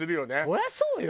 そりゃそうよ！